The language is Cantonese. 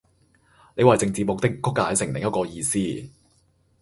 你為政治目的曲解成另一個意思